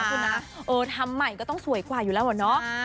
คุณนะเออทำใหม่ก็ต้องสวยกว่าอยู่แล้วเหรอเนาะ